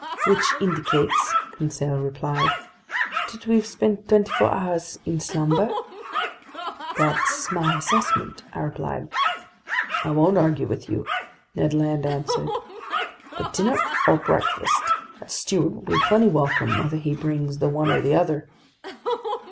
"Which indicates," Conseil replied, "that we've spent twenty four hours in slumber." "That's my assessment," I replied. "I won't argue with you," Ned Land answered. "But dinner or breakfast, that steward will be plenty welcome whether he brings the one or the other."